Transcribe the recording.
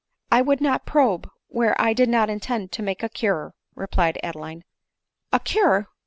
"I would not probe where I did not intend to make a cure," replied Adeline. " A cure